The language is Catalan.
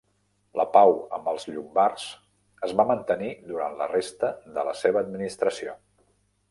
La pau amb els Llombards es va mantenir durant la resta de la seva administració.